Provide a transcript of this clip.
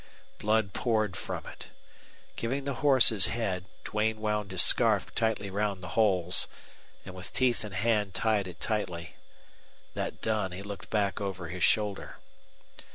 Blood poured from it. Giving the horse his head, Duane wound his scarf tightly round the holes, and with teeth and hand tied it tightly. That done, he looked back over his shoulder.